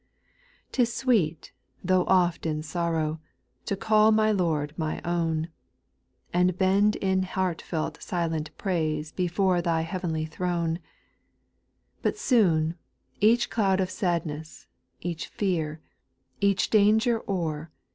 4. 'T is sweet, tho' oft in sorrow, to call my Lord my own, And bend in heartfelt silent praise before Thy heavenly throne ; But soon, each cloud of sadness, each fear, each danger o'er.